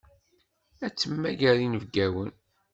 Ad temmager inebgawen.